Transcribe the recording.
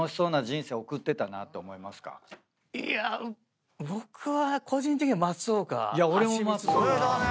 いや僕は個人的には。俺だね。